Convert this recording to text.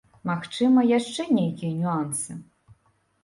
Магчыма, яшчэ нейкія нюансы.